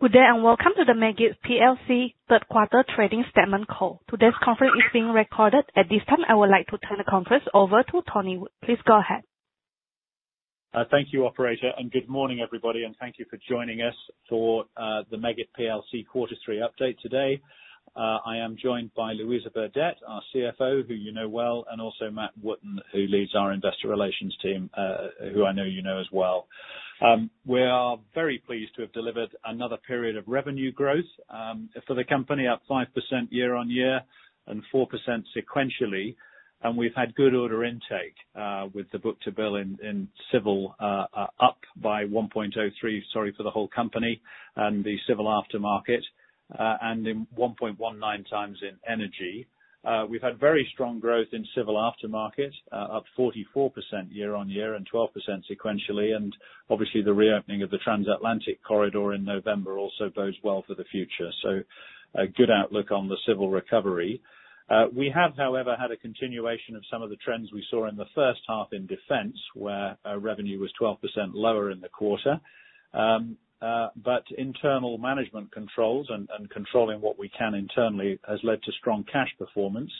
Good day and welcome to the Meggitt PLC third quarter trading statement call. Today's conference is being recorded. At this time, I would like to turn the conference over to Tony Wood. Please go ahead. Thank you operator, and good morning everybody, and thank you for joining us for the Meggitt PLC quarter three update today. I am joined by Louisa Burdett, our CFO, who you know well, and also Mathew Wootton, who leads our investor relations team, who I know you know as well. We are very pleased to have delivered another period of revenue growth for the company, up 5% year-on-year and 4% sequentially. We've had good order intake, with the book-to-bill up by 1.03, sorry, for the whole company and the civil aftermarket, and then 1.19 times in energy. We've had very strong growth in civil aftermarket, up 44% year-on-year and 12% sequentially. Obviously the reopening of the Transatlantic corridor in November also bodes well for the future. A good outlook on the civil recovery. We have, however, had a continuation of some of the trends we saw in the first half in defense, where our revenue was 12% lower in the quarter. But internal management controls and controlling what we can internally has led to strong cash performance,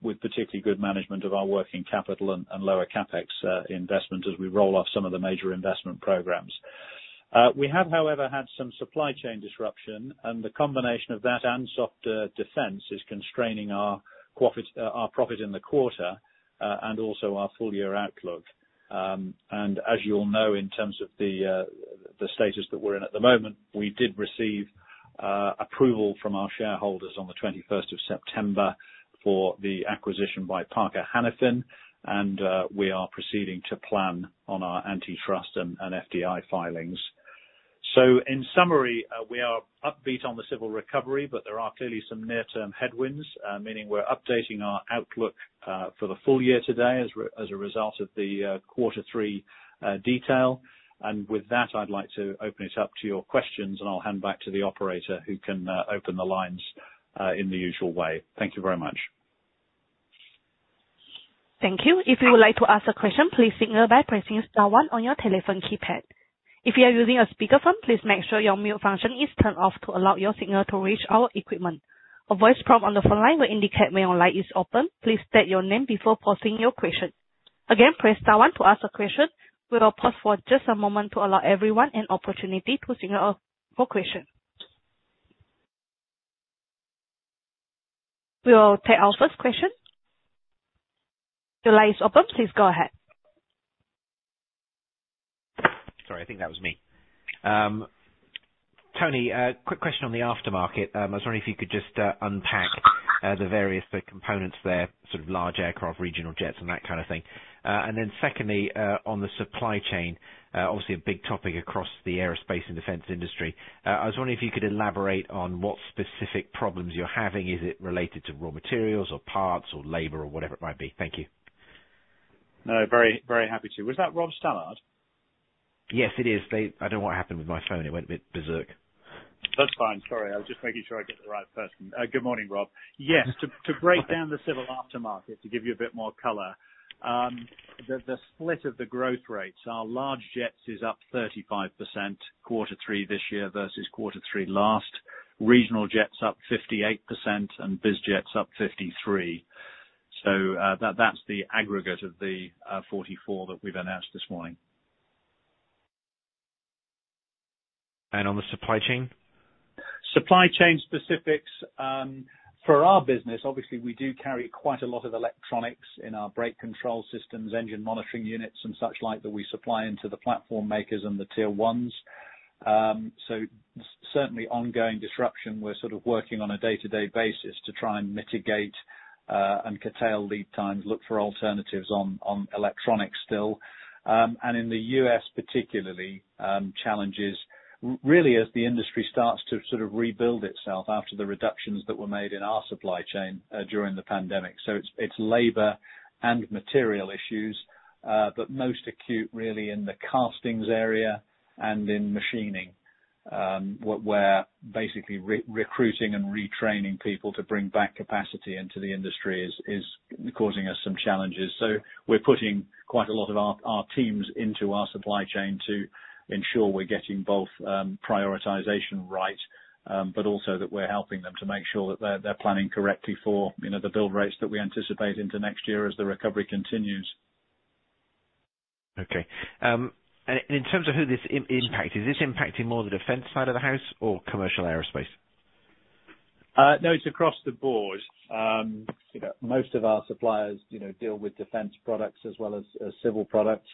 with particularly good management of our working capital and lower CapEx investment as we roll off some of the major investment programs. We have, however, had some supply chain disruption, and the combination of that and soft defense is constraining our profit in the quarter and also our full year outlook. As you all know, in terms of the status that we're in at the moment, we did receive approval from our shareholders on the twenty-first of September for the acquisition by Parker Hannifin, and we are proceeding to plan on our antitrust and FDI filings. In summary, we are upbeat on the civil recovery, but there are clearly some near-term headwinds, meaning we're updating our outlook for the full year today as a result of the quarter three detail. With that, I'd like to open it up to your questions and I'll hand back to the operator who can open the lines in the usual way. Thank you very much. Thank you. If you would like to ask a question, please signal by pressing star one on your telephone keypad. If you are using a speakerphone, please make sure your mute function is turned off to allow your signal to reach our equipment. A voice prompt on the phone line will indicate when your line is open. Please state your name before posing your question. Again, press star one to ask a question. We will pause for just a moment to allow everyone an opportunity to signal for question. We will take our first question. The line is open. Please go ahead. Sorry, I think that was me. Tony, a quick question on the aftermarket. I was wondering if you could just unpack the various components there, sort of large aircraft, regional jets and that kind of thing. Secondly, on the supply chain, obviously a big topic across the aerospace and defense industry. I was wondering if you could elaborate on what specific problems you're having. Is it related to raw materials or parts or labor or whatever it might be? Thank you. No, very, very happy to. Was that Rob Stallard? Yes, it is. I don't know what happened with my phone. It went a bit berserk. That's fine. Sorry. I was just making sure I get the right person. Good morning, Rob. Yes. To break down the civil aftermarket, to give you a bit more color, the split of the growth rates are large jets is up 35% quarter three this year versus quarter three last. Regional jets up 58% and biz jets up 53%. That's the aggregate of the 44 that we've announced this morning. On the supply chain? Supply chain specifics for our business. Obviously we do carry quite a lot of electronics in our brake control systems, engine monitoring units and such like that we supply into the platform makers and the tier ones. Certainly ongoing disruption. We're sort of working on a day-to-day basis to try and mitigate and curtail lead times, look for alternatives on electronics still. And in the U.S. particularly, challenges really as the industry starts to sort of rebuild itself after the reductions that were made in our supply chain during the pandemic. It's labor and material issues, but most acute really in the castings area and in machining, where basically recruiting and retraining people to bring back capacity into the industry is causing us some challenges. We're putting quite a lot of our teams into our supply chain to ensure we're getting both prioritization right, but also that we're helping them to make sure that they're planning correctly for, you know, the build rates that we anticipate into next year as the recovery continues. Okay. In terms of who this impacts, is this impacting more the defense side of the house or commercial aerospace? No, it's across the board. You know, most of our suppliers, you know, deal with defense products as well as civil products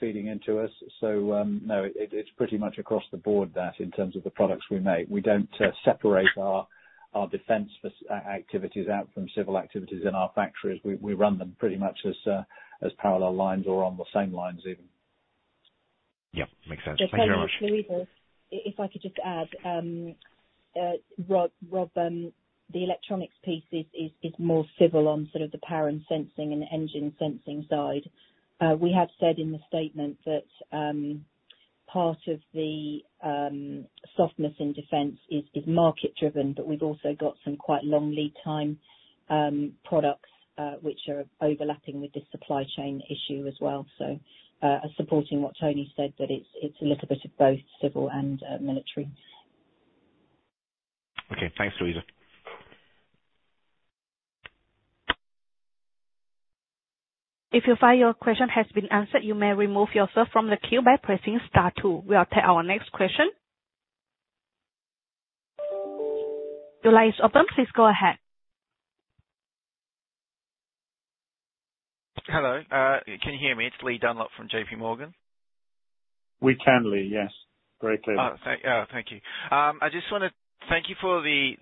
feeding into us. It's pretty much across the board, in terms of the products we make, we don't separate our defense activities out from civil activities in our factories. We run them pretty much as parallel lines or on the same lines even. Yeah. Makes sense. Thank you very much. Just one Tony, it's Louisa. If I could just add, Rob, the electronics piece is more civil on sort of the power and sensing and engine sensing side. We have said in the statement that, Part of the softness in defense is market driven, but we've also got some quite long lead time products which are overlapping with the supply chain issue as well. Supporting what Tony said, that it's a little bit of both civil and military. Okay. Thanks, Louisa. If you find your question has been answered, you may remove yourself from the queue by pressing star two. We'll take our next question. The line is open. Please go ahead. Hello. Can you hear me? It's Li Dunlop from J.P. Morgan. We can, Li, yes. Very clearly. Oh, thank you. I just wanna thank you for the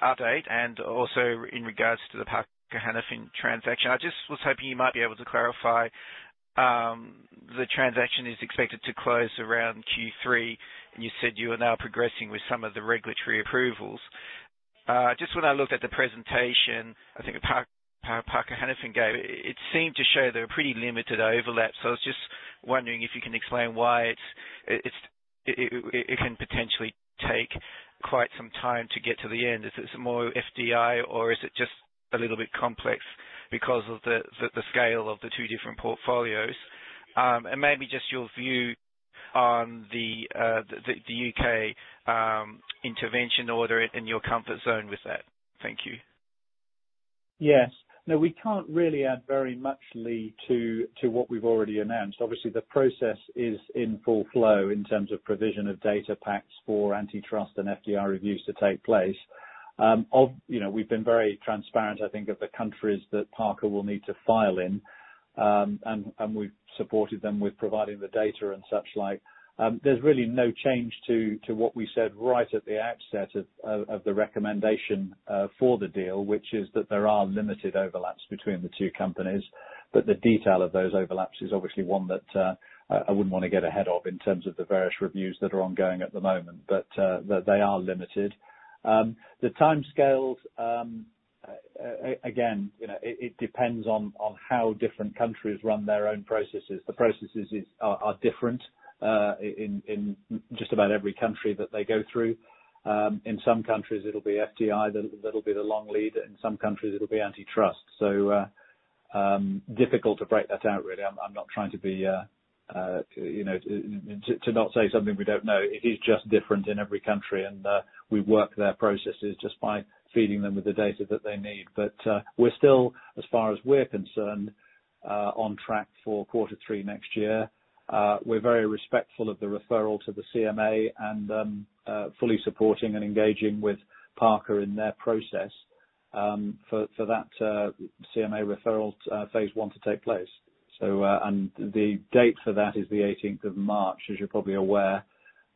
update, and also in regards to the Parker Hannifin transaction. I just was hoping you might be able to clarify the transaction is expected to close around Q3, and you said you are now progressing with some of the regulatory approvals. Just when I looked at the presentation, I think Parker Hannifin gave, it seemed to show there are pretty limited overlap. I was just wondering if you can explain why it can potentially take quite some time to get to the end. Is this more FDI or is it just a little bit complex because of the scale of the two different portfolios? Maybe just your view on the U.K. intervention order and your comfort zone with that. Thank you. Yes. No, we can't really add very much, Li, to what we've already announced. Obviously, the process is in full flow in terms of provision of data packs for antitrust and FDI reviews to take place. We've been very transparent, I think, of the countries that Parker will need to file in. We've supported them with providing the data and such like. There's really no change to what we said right at the outset of the recommendation for the deal, which is that there are limited overlaps between the two companies, but the detail of those overlaps is obviously one that I wouldn't wanna get ahead of in terms of the various reviews that are ongoing at the moment. They are limited. The timescales, again, you know, it depends on how different countries run their own processes. The processes are different in just about every country that they go through. In some countries it'll be FDI that'll be the long lead. In some countries it'll be antitrust. Difficult to break that out, really. I'm not trying to be, you know, to not say something we don't know. It is just different in every country and we work their processes just by feeding them with the data that they need. We're still, as far as we're concerned, on track for quarter three next year. We're very respectful of the referral to the CMA and fully supporting and engaging with Parker in their process for that CMA referral phase one to take place. The date for that is the eighteenth of March, as you're probably aware.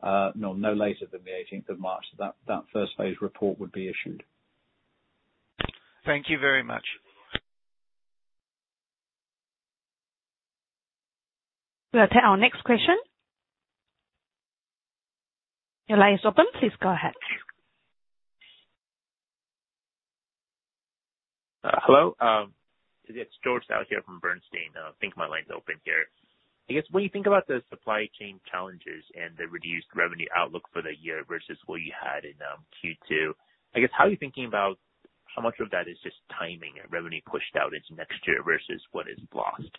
No later than the eighteenth of March, that first phase report would be issued. Thank you very much. We'll take our next question. Your line is open. Please go ahead. Hello, this is George Zhao here from Bernstein. I think my line's open here. I guess when you think about the supply chain challenges and the reduced revenue outlook for the year versus what you had in Q2, I guess, how are you thinking about how much of that is just timing and revenue pushed out into next year versus what is lost?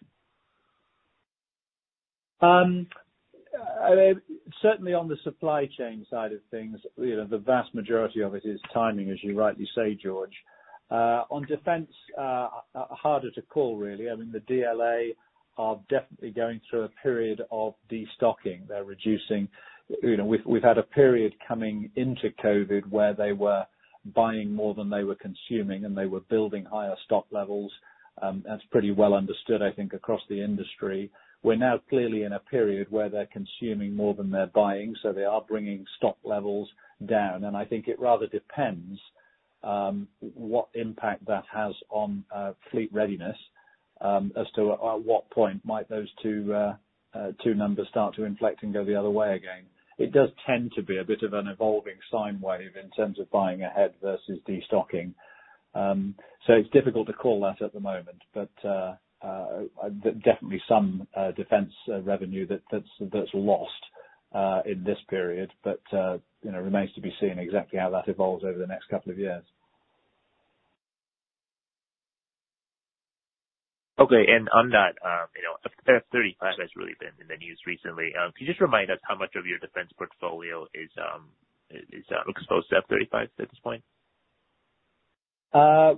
Certainly on the supply chain side of things, you know, the vast majority of it is timing, as you rightly say, George. On defense, harder to call really. I mean, the DLA are definitely going through a period of destocking. They're reducing. You know, we've had a period coming into COVID where they were buying more than they were consuming, and they were building higher stock levels. That's pretty well understood, I think, across the industry. We're now clearly in a period where they're consuming more than they're buying, so they are bringing stock levels down. I think it rather depends what impact that has on fleet readiness as to at what point might those two numbers start to inflect and go the other way again. It does tend to be a bit of an evolving sine wave in terms of buying ahead versus destocking. It's difficult to call that at the moment, but definitely some defense revenue that's lost in this period. You know, remains to be seen exactly how that evolves over the next couple of years. On that, you know, F-35 has really been in the news recently. Could you just remind us how much of your defense portfolio is exposed to F-35 at this point?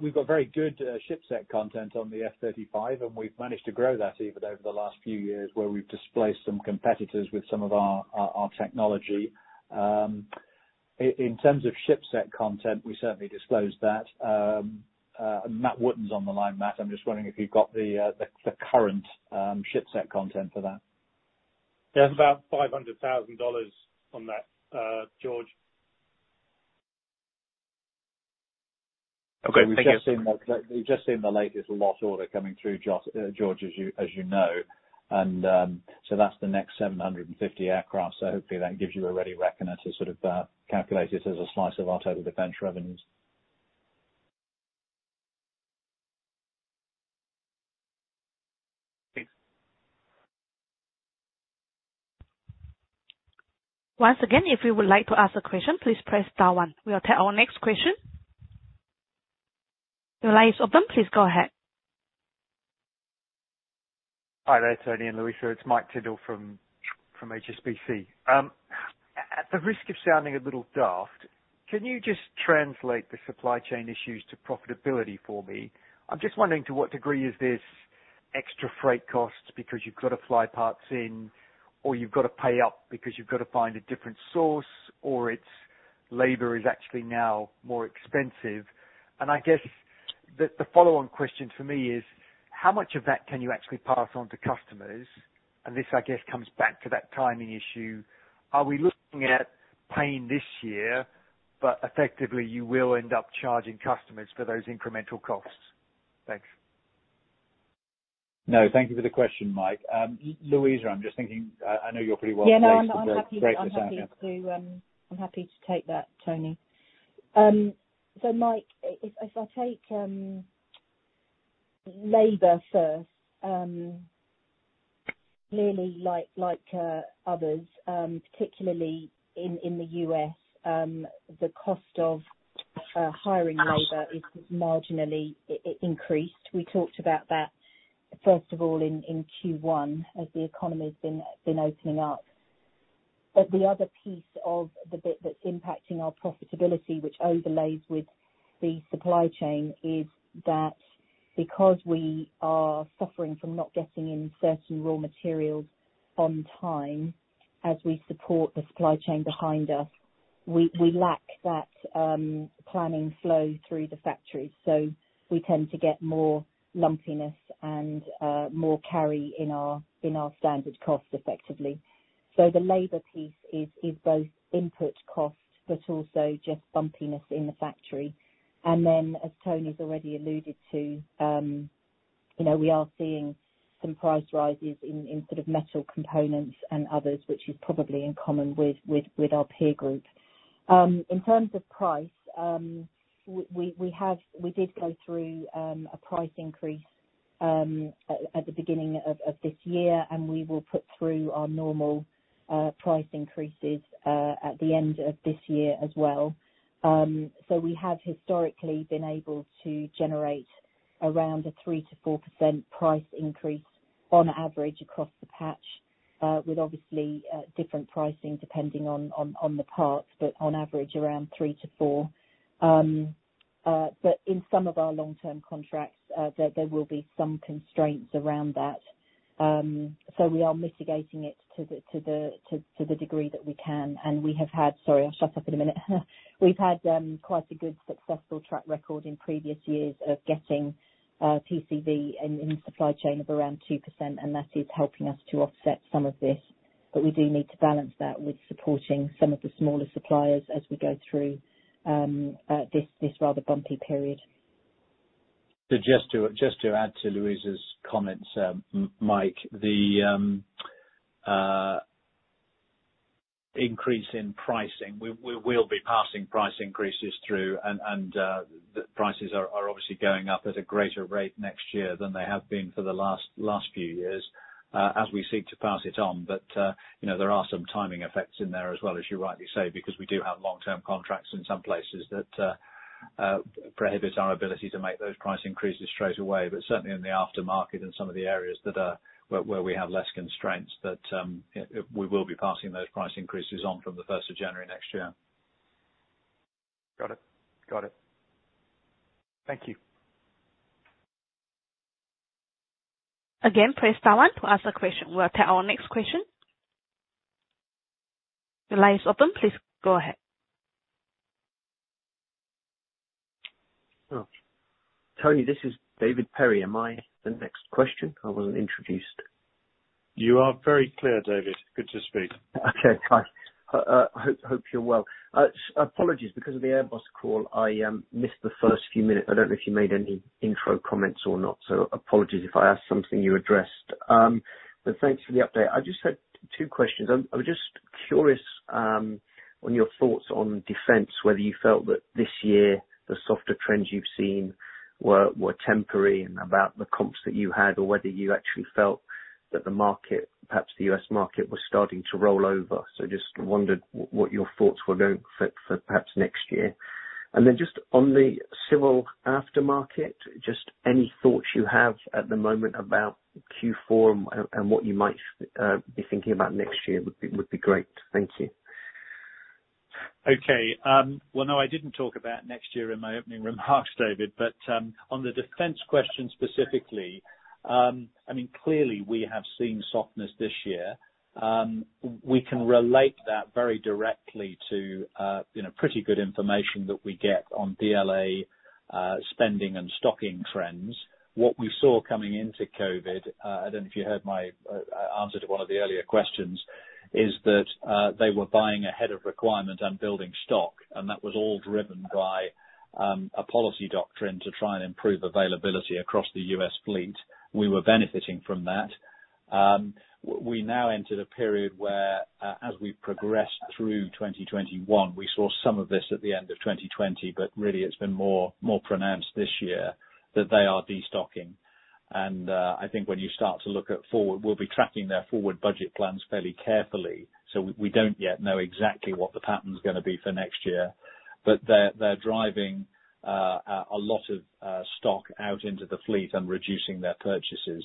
We've got very good ship set content on the F-35, and we've managed to grow that even over the last few years where we've displaced some competitors with some of our technology. In terms of ship set content, we certainly disclose that. Mathew Wootton's on the line. Matt, I'm just wondering if you've got the current ship set content for that. Yeah. It's about $500,000 on that, George. Okay. Thank you. We've just seen the latest lot order coming through, George, as you know, that's the next 750 aircraft. Hopefully that gives you a ready reckoner to sort of calculate it as a slice of our total defense revenues. Thanks. Once again, if you would like to ask a question, please press star one. We'll take our next question. Your line is open. Please go ahead. Hi there, Tony and Louisa. It's Mike Tyndall from HSBC. At the risk of sounding a little daft, can you just translate the supply chain issues to profitability for me? I'm just wondering to what degree is this extra freight costs because you've got to fly parts in or you've got to pay up because you've got to find a different source or it's labor is actually now more expensive. I guess the follow-on question for me is: how much of that can you actually pass on to customers? This, I guess, comes back to that timing issue. Are we looking at paying this year, but effectively you will end up charging customers for those incremental costs? Thanks. No, thank you for the question, Mike. Louisa, I'm just thinking, I know you're pretty well placed- Yeah. No. I'm happy to take that, Tony. Mike, if I take labor first, clearly, like, others, particularly in the U.S., the cost of hiring labor is marginally increased. We talked about that, first of all, in Q1 as the economy has been opening up. The other piece of the bit that's impacting our profitability, which overlays with the supply chain, is that because we are suffering from not getting in certain raw materials on time as we support the supply chain behind us, we lack that planning flow through the factory. We tend to get more lumpiness and more carry in our standard cost effectively. The labor piece is both input cost, but also just bumpiness in the factory. As Tony has already alluded to, you know, we are seeing some price rises in sort of metal components and others which is probably in common with our peer group. In terms of price, we did go through a price increase at the beginning of this year, and we will put through our normal price increases at the end of this year as well. We have historically been able to generate around a 3%-4% price increase on average across the patch, with obviously different pricing depending on the parts, but on average around 3%-4%. But in some of our long-term contracts, there will be some constraints around that. We are mitigating it to the degree that we can. Sorry, I'll shut up in a minute. We've had quite a good successful track record in previous years of getting TCV in supply chain of around 2%, and that is helping us to offset some of this. We do need to balance that with supporting some of the smaller suppliers as we go through this rather bumpy period. Just to add to Louisa's comments, Mike, the increase in pricing, we will be passing price increases through and the prices are obviously going up at a greater rate next year than they have been for the last few years, as we seek to pass it on. You know, there are some timing effects in there as well, as you rightly say, because we do have long-term contracts in some places that prohibits our ability to make those price increases straight away. Certainly in the aftermarket and some of the areas where we have less constraints, we will be passing those price increases on from the first of January next year. Got it. Thank you. Again, press star one to ask a question. We'll take our next question. Your line is open. Please go ahead. Oh. Tony, this is David Perry. Am I next? Question? I wasn't introduced. You are very clear, David. Good to speak. Okay. Hi. Hope you're well. Apologies because of the Airbus call, I missed the first few minutes. I don't know if you made any intro comments or not, so apologies if I ask something you addressed. But thanks for the update. I just had two questions. I was just curious on your thoughts on defense, whether you felt that this year the softer trends you've seen were temporary and about the comps that you had or whether you actually felt that the market, perhaps the U.S. market, was starting to roll over. Just wondered what your thoughts were going for perhaps next year. Then just on the civil aftermarket, just any thoughts you have at the moment about Q4 and what you might be thinking about next year would be great. Thank you. Okay. Well, no, I didn't talk about next year in my opening remarks, David, but on the defense question specifically, I mean, clearly we have seen softness this year. We can relate that very directly to, you know, pretty good information that we get on DLA spending and stocking trends. What we saw coming into COVID, I don't know if you heard my answer to one of the earlier questions, is that they were buying ahead of requirement and building stock, and that was all driven by a policy doctrine to try and improve availability across the U.S. fleet. We were benefiting from that. We now entered a period where, as we progressed through 2021, we saw some of this at the end of 2020, but really it's been more pronounced this year, that they are destocking. I think when you start to look forward, we'll be tracking their forward budget plans fairly carefully, so we don't yet know exactly what the pattern's gonna be for next year. They're driving a lot of stock out into the fleet and reducing their purchases.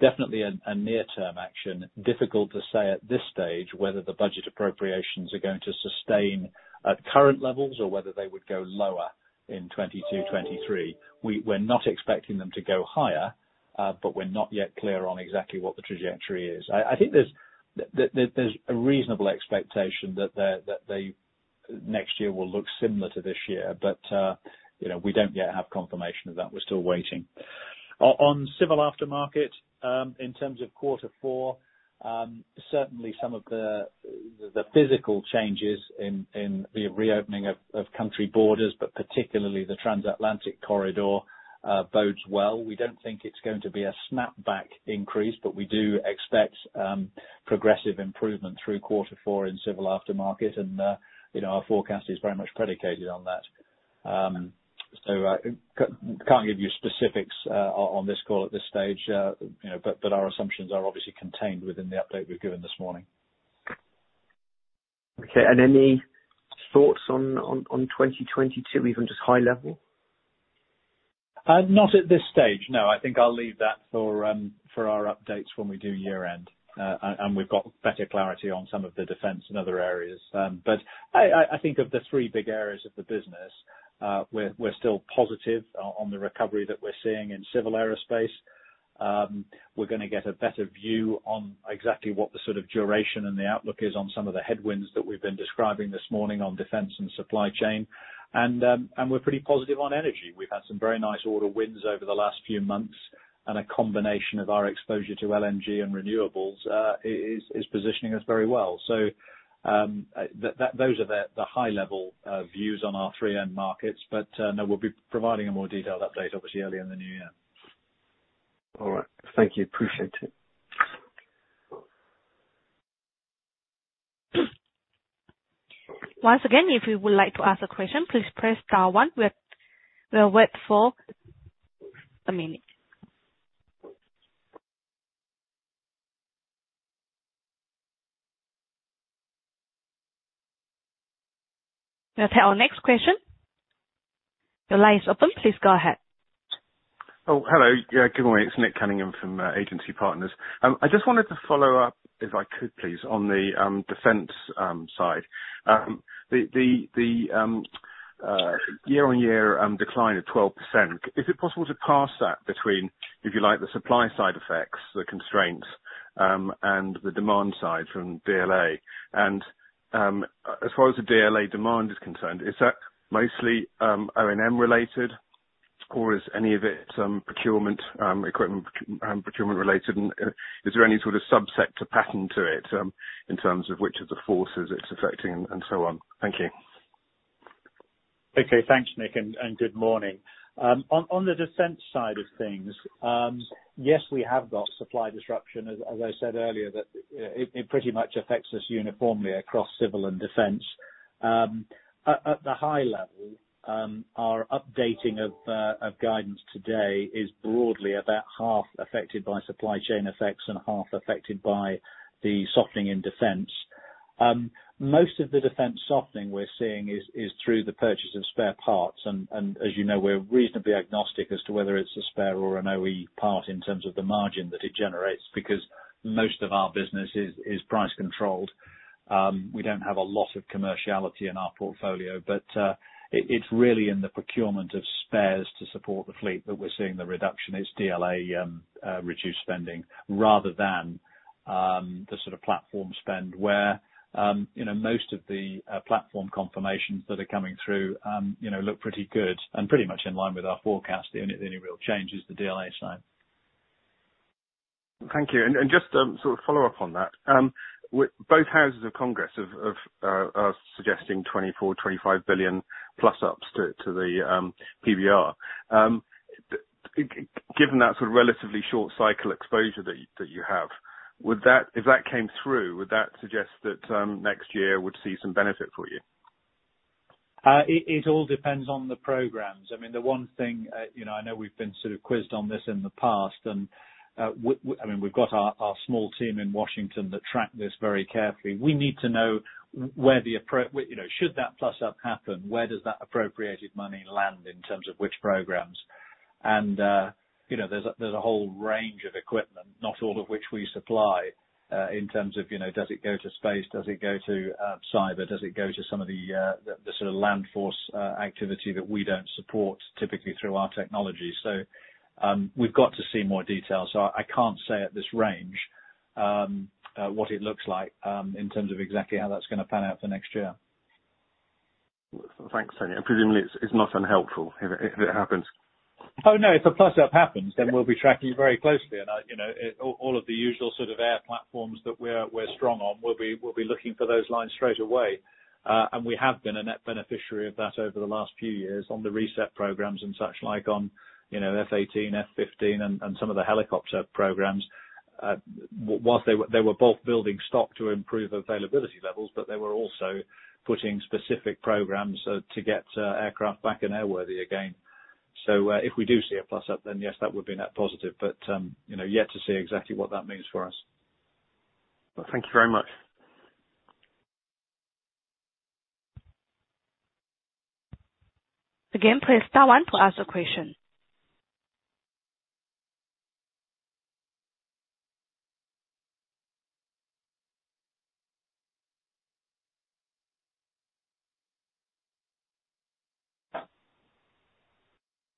Definitely a near-term action. Difficult to say at this stage, whether the budget appropriations are going to sustain at current levels or whether they would go lower in 2022, 2023. We're not expecting them to go higher, but we're not yet clear on exactly what the trajectory is. I think there's a reasonable expectation that they next year will look similar to this year. You know, we don't yet have confirmation of that. We're still waiting. On civil aftermarket, in terms of quarter four, certainly some of the physical changes in the reopening of country borders, but particularly the Transatlantic corridor, bodes well. We don't think it's going to be a snapback increase, but we do expect progressive improvement through quarter four in civil aftermarket and, you know, our forecast is very much predicated on that. Can't give you specifics on this call at this stage, you know, but our assumptions are obviously contained within the update we've given this morning. Okay. Any thoughts on 2022, even just high level? Not at this stage, no. I think I'll leave that for our updates when we do year-end and we've got better clarity on some of the defense and other areas. I think of the three big areas of the business, we're still positive on the recovery that we're seeing in civil aerospace. We're gonna get a better view on exactly what the sort of duration and the outlook is on some of the headwinds that we've been describing this morning on defense and supply chain, and we're pretty positive on energy. We've had some very nice order wins over the last few months, and a combination of our exposure to LNG and renewables is positioning us very well. Those are the high level views on our three end markets. No, we'll be providing a more detailed update obviously early in the new year. All right. Thank you. Appreciate it. Once again, if you would like to ask a question, please press star one. We're, we'll wait for a minute. Let's have our next question. Your line is open. Please go ahead. Oh, hello. Yeah, good morning. It's Nick Cunningham from Agency Partners. I just wanted to follow up, if I could please, on the defense side. The year-on-year decline of 12%, is it possible to parse that between, if you like, the supply side effects, the constraints, and the demand side from DLA? As far as the DLA demand is concerned, is that mostly R&M related, or is any of it procurement equipment procurement related? Is there any sort of subsector pattern to it, in terms of which of the forces it's affecting and so on? Thank you. Okay. Thanks, Nick, and good morning. On the defense side of things, yes, we have got supply disruption, as I said earlier, that it pretty much affects us uniformly across civil and defense. At the high level, our updating of guidance today is broadly about half affected by supply chain effects and half affected by the softening in defense. Most of the defense softening we're seeing is through the purchase of spare parts, and as you know, we're reasonably agnostic as to whether it's a spare or an OE part in terms of the margin that it generates, because most of our business is price controlled. We don't have a lot of commerciality in our portfolio. It's really in the procurement of spares to support the fleet that we're seeing the reduction. It's DLA, reduced spending rather than the sort of platform spend, where you know most of the platform confirmations that are coming through you know look pretty good and pretty much in line with our forecast. The only real change is the DLA side. Thank you. Just sort of follow up on that, both houses of Congress have are suggesting $24 billion-$25 billion plus-ups to the PBR. Given that sort of relatively short cycle exposure that you have, would that, if that came through, would that suggest that next year would see some benefit for you? It all depends on the programs. I mean, the one thing, you know, I know we've been sort of quizzed on this in the past and, I mean, we've got our small team in Washington that track this very carefully. We need to know, you know, should that plus-up happen, where does that appropriated money land in terms of which programs? You know, there's a whole range of equipment, not all of which we supply, in terms of, you know, does it go to space? Does it go to cyber? Does it go to some of the sort of land force activity that we don't support typically through our technology? We've got to see more detail. I can't say at this range what it looks like in terms of exactly how that's gonna pan out for next year. Thanks, Tony. Presumably it's not unhelpful if it happens. Oh, no, if a plus-up happens, then we'll be tracking it very closely. I, you know, it's all of the usual sort of air platforms that we're strong on, we'll be looking for those lines straight away. We have been a net beneficiary of that over the last few years on the reset programs and such like on, you know, F-18, F-15 and some of the helicopter programs. While they were both building stock to improve availability levels, but they were also putting specific programs to get aircraft back and airworthy again. If we do see a plus-up, then yes, that would be net positive, but you know, yet to see exactly what that means for us. Well, thank you very much. Again, press star one to ask a question.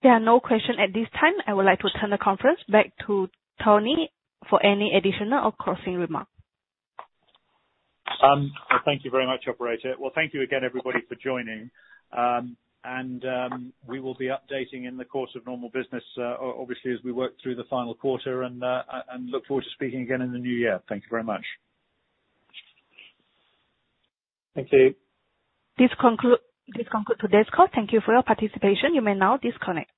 There are no questions at this time. I would like to turn the conference back to Tony for any additional or closing remarks. Thank you very much, operator. Well, thank you again, everybody, for joining. We will be updating in the course of normal business, obviously as we work through the final quarter and look forward to speaking again in the new year. Thank you very much. Thank you. This concludes today's call. Thank you for your participation. You may now disconnect.